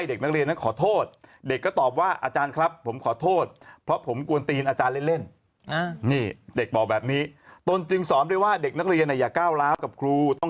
เด็กจะรักตนหมดทุกคน